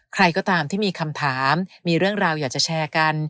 ใครก็ตามที่มีคำถามมีเรื่องราวอยากจะแชร์กัน